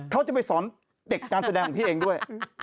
เขาจะไปสอนเด็กการแสดงของพี่เองด้วย